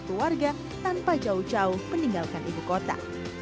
dan juga keluarga tanpa jauh jauh meninggalkan ibu kota